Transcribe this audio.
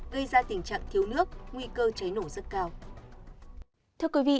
gây ra tình trạng thiếu nước nguy cơ cháy nổ rất cao